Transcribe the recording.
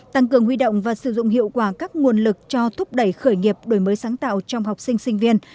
tăng cường huy động và sử dụng hiệu quả các nguồn lực cho thúc đẩy khởi nghiệp đổi mới sáng tạo trong học sinh sinh viên